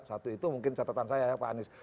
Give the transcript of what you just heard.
satu itu mungkin catatan saya ya pak anies